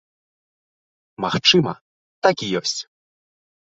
Магчыма, так і ёсць.